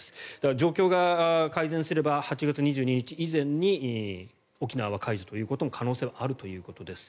状況が改善すれば８月２２日以前に沖縄は解除ということも可能性はあるということです。